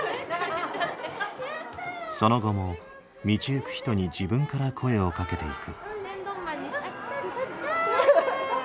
その後も道行く人に自分から声をかけていく。